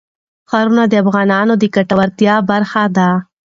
ښارونه د افغانانو د ګټورتیا برخه ده.